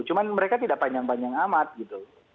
cuma mereka tidak panjang panjang amat gitu